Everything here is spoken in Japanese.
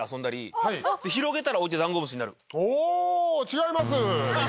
おぉ違います。